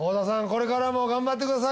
これからも頑張ってください